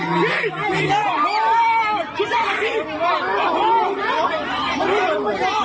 อ้าวแต่ตัวเองเป็นพวกสาวหัวนะคะ